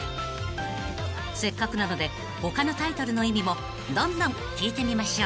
［せっかくなので他のタイトルの意味もどんどん聞いてみましょう］